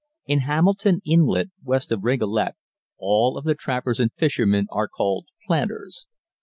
In Hamilton Inlet, west of Rigolet, all of the trappers and fishermen are called planters.